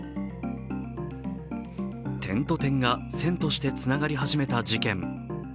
点と点が線としてつながり始めた事件。